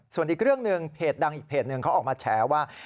ส่วนอีกเรื่องหนึ่งเพจดังอีกเพจหนึ่งเขาออกมาแฉว่า